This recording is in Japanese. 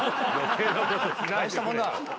大したもんだ。